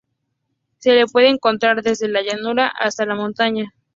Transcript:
Se le puede encontrar desde la llanura hasta la montaña.